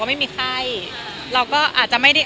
เจ็บคอแล้วก็ป่วยและไม่มีไข้